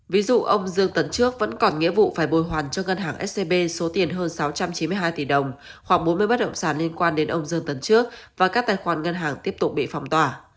ví dụ ông dương tấn trước vẫn còn nghĩa vụ phải bồi hoàn cho ngân hàng scb số tiền hơn sáu trăm chín mươi hai tỷ đồng hoặc bốn mươi bất động sản liên quan đến ông dương tấn trước và các tài khoản ngân hàng tiếp tục bị phong tỏa